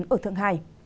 ở thượng hải